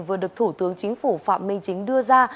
vừa được thủ tướng chính phủ phạm minh chính đưa ra